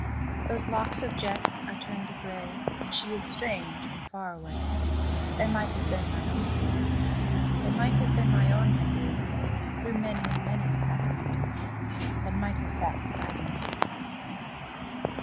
Those locks of jet are turned to gray, And she is strange and far away That might have been mine own to day That might have been mine own, my dear, Through many and many a happy year That might have sat beside me here.